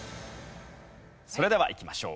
それではいきましょう。